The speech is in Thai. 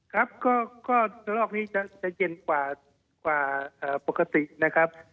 ครับก็ระลอกนี้จะเย็นกว่าปกตินะครับ